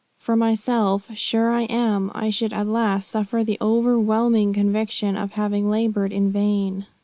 For myself, sure I am, I should at last suffer the overwhelming conviction of having labored in vain.